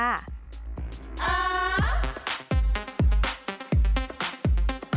อ่า